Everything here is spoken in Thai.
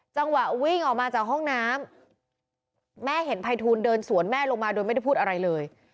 จังหวะวิ่งออกมาจากห้องน้ำแม่เห็นภัยทูลเดินสวนแม่ลงมาโดยไม่ได้พูดอะไรเลย